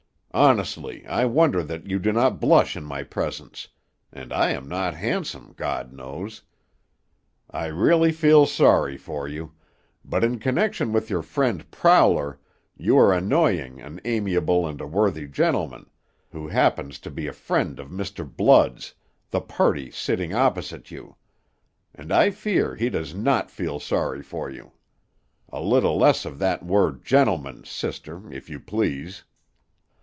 Honestly, I wonder that you do not blush in my presence; and I am not handsome, God knows. I really feel sorry for you, but in connection with your friend Prowler you are annoying an amiable and a worthy gentleman, who happens to be a friend of Mr. Blood's, the party sitting opposite you; and I fear he does not feel sorry for you. A little less of that word 'gentlemen,' sister, if you please."